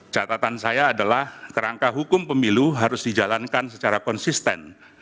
catatan saya adalah kerangka hukum pemilu harus dijalankan secara konsisten